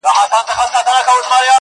نه یې له تیارې نه له رڼا سره.